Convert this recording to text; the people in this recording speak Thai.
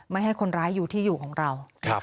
ไม่ให้คนร้ายอยู่ที่อยู่ของเรา